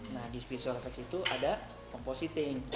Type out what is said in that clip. nah di visual efek itu ada compositing